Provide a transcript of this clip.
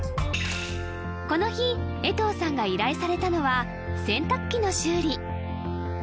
この日江藤さんが依頼されたのは洗濯機の修理